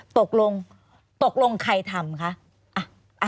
ตกลงตกลงใครทำคะ